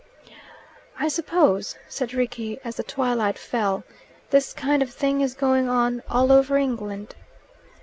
"I suppose," said Rickie as the twilight fell, "this kind of thing is going on all over England."